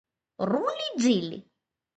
რული-ძილი